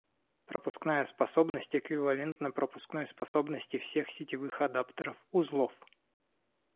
Пропускная способность эквивалентна пропускной способности всех сетевых адаптеров узлов